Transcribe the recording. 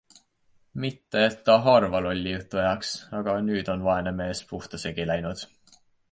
Mitte, et ta harva lolli juttu ajaks, aga nüüd on vaene mees puhta segi läinud.